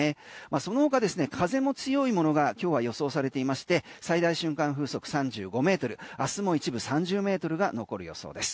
その他ですね風も強いものが今日は予想されていまして最大瞬間風速３５ｍ、あすも一部３０ｍが残る予想です。